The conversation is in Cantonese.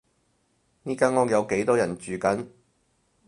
呢間屋有幾多人住緊？